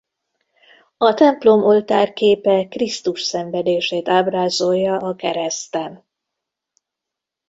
A templom oltárképe Krisztus szenvedését ábrázolja a kereszten.